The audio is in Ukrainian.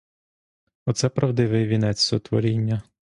Оце правдивий вінець сотворіння!